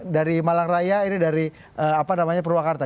dari malang raya ini dari apa namanya purwakarta